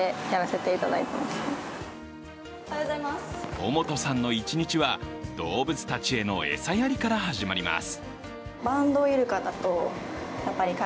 尾本さんの一日は動物たちへの餌やりから始まります。